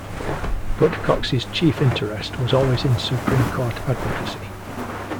But Cox's chief interest was always in Supreme Court advocacy.